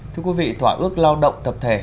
thưa quý vị thỏa ước lao động tập thể